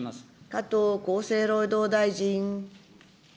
加藤厚生労働大臣。